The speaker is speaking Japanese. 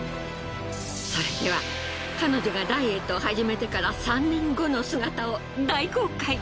それでは彼女がダイエットを始めてから３年後の姿を大公開！